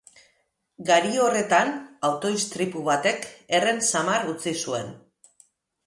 Gari horretan, auto istripu batek herren samar utzi zuen.